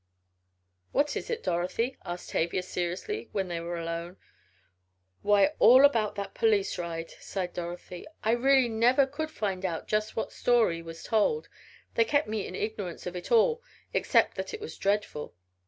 "What is it, Dorothy?" asked Tavia seriously when they were alone. "Why, all about that police ride," sighed Dorothy. "I really never could find out just what story was told they kept me in ignorance of it all, except that it was dreadful.